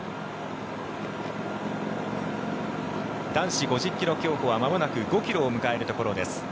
男子５０ｋｍ競歩はまもなく５ｋｍを迎えるところです。